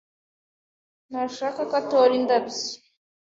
Ntashaka ko atora indabyo.